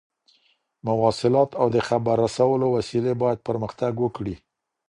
مواصلات او د خبر رسولو وسيلې بايد پرمختګ وکړي.